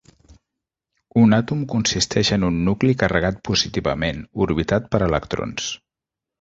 Un àtom consisteix en un nucli carregat positivament, orbitat per electrons.